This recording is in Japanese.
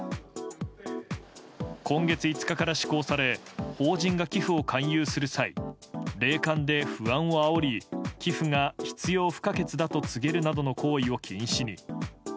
今月５日から施行され法人が寄付を勧誘する際霊感で不安をあおり寄付が必要不可欠だと告げるなどの行為を禁止に。